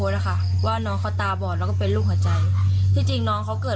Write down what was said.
ใช่ต้องโดนขวับผมเหรอหรืออะไร